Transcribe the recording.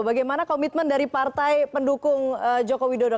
bagaimana komitmen dari partai pendukung jokowi dodo